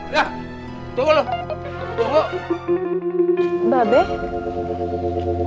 yah tunggu dulu